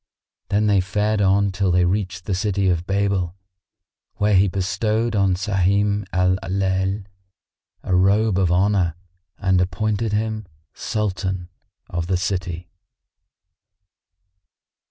Then they fared on till they reached the city of Babel, where he bestowed on Sahim Al Layl a robe of honour and appointed him Sultan of the city.